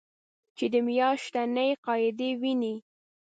چې د میاشتنۍ قاعدې وینې